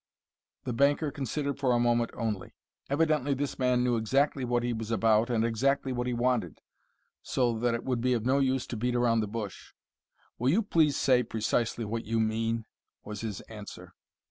The banker considered for a moment only. Evidently this man knew exactly what he was about and exactly what he wanted, so that it would be of no use to beat around the bush. "Will you please say precisely what you mean?" was his answer.